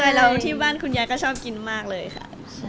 ว่าในบ้านคุณยายก็ชอบกินมากเลยค่ะ